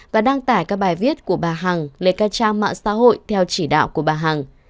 và đăng tải các bài viết của bà hằng lên các trang mạng xã hội theo chỉ đạo của bà hằng